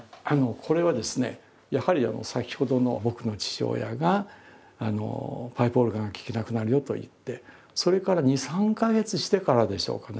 これはですねやはり先ほどの僕の父親が「パイプオルガンが聴けなくなるよ」と言ってそれから２３か月してからでしょうかね